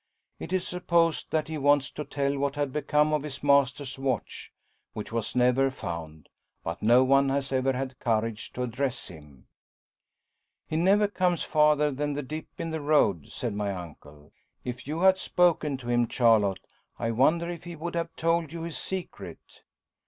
It is supposed that he wants to tell what had become of his master's watch, which was never found. But no one has ever had courage to address him. "He never comes farther than the dip in the road," said my uncle. "If you had spoken to him, Charlotte, I wonder if he would have told you his secret?"